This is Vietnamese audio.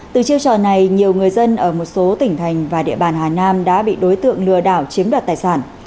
từ chiêu trò này nhiều người dân ở một số tỉnh thành và địa bàn hà nam đã bị đối tượng lừa đảo chiếm đoạt tài sản